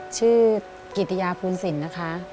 ชื่อกิตยาภูลสินนะคะ